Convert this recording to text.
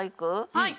はい。